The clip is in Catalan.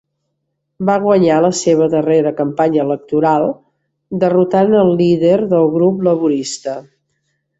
Va guanyar la seva darrera campanya electoral, derrotant al líder del Grup Laborista.